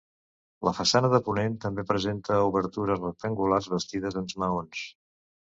La façana de ponent també presenta obertures rectangulars bastides en maons.